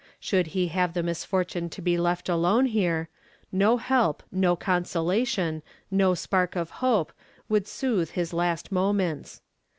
Should he have the misfortune to be left here alone, no help, no consolation, no spark of hope, would soothe his last moments.